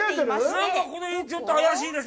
何かこの辺ちょっと怪しいです。